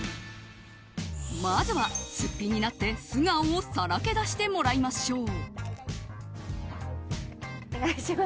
まずは、すっぴんになって素顔をさらけ出してもらいましょう。